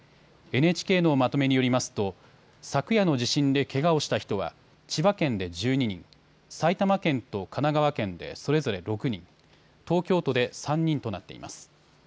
ＮＨＫのまとめによりますと昨夜の地震でけがをした人は千葉県で１２人、埼玉県と神奈川県でそれぞれ６人、東京都で３人となっています。